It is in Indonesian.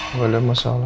gak ada masalah